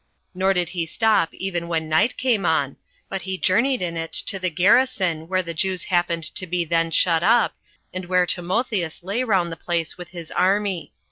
Nor did he stop even when night came on, but he journeyed in it to the garrison where the Jews happened to be then shut up, and where Timotheus lay round the place with his army.